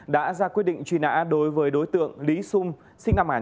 đã ra quyết định truy nã đối với lệnh truy nã của truyền hình công an nhân dân